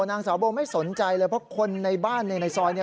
นางสาวโบไม่สนใจเลยเพราะคนในบ้านในซอยเนี่ย